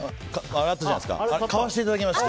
あれ、買わせていただきまして。